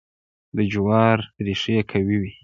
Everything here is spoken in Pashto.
د جوارو ریښې قوي وي.